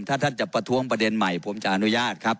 ถ้าท่านจะประท้วงประเด็นใหม่ผมจะอนุญาตครับ